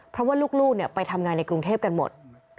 เพราะว่าลูกไปทำงานในกรุงเทพกันหมด